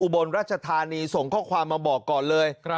บนรัชธานีส่งข้อความมาบอกก่อนเลย